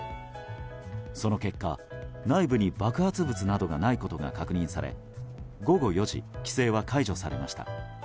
その結果、内部に爆発物などがないことが確認され午後４時規制は解除されました。